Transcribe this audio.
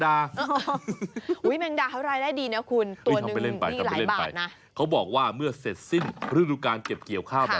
ไม่ต้องขี่ช้างน้องไม่ต้อง